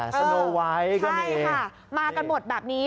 แสโนไวท์ก็มีใช่ค่ะมากันหมดแบบนี้